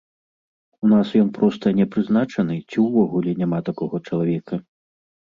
У нас ён проста не прызначаны, ці ўвогуле няма такога чалавека?